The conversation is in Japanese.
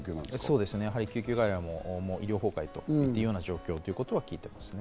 救急外来も医療崩壊という状況と聞いています。